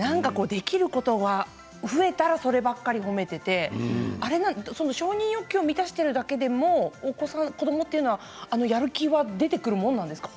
できることが増えたらそればっかり褒めていて承認欲求を満たしているだけでもお子さん、子どもというのはやる気が出てくるものなんですか。